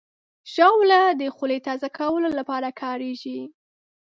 ژاوله د خولې تازه کولو لپاره کارېږي.